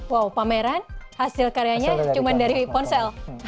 wow pameran hasil karyanya cuma dari ponsel